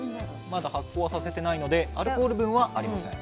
まだ発酵はさせてないのでアルコール分はありません。